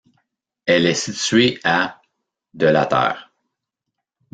Elle est située à de la Terre.